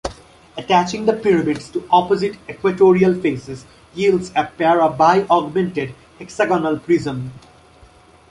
Attaching the pyramids to opposite equatorial faces yields a parabiaugmented hexagonal prism.